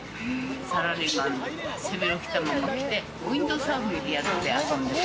サラリーマンが背広着たまま着てウインドサーフィンやって遊んでた。